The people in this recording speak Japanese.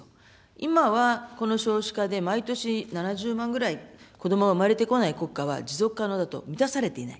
今はこの少子化で、毎年７０万ぐらい子どもが産まれてこない国家は持続可能だと満たされていない。